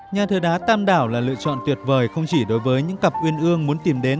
nhà thờ đá tam đảo là lựa chọn tuyệt vời không chỉ đối với những cặp uyên ương muốn tìm đến